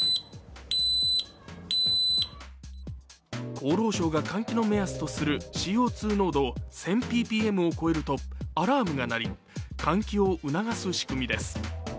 厚労省が換気の目安とするＣＯ２濃度１０００ｐｐｍを超えるとアラームが鳴り換気を促す仕組みです。